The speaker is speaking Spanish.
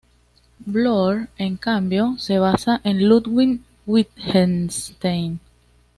Bloor, en cambio, se basa en Ludwig Wittgenstein.